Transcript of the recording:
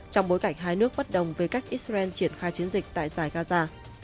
trong bối cảnh hai nước bất đồng về cách israel triển khai chiến dịch tại giải gaza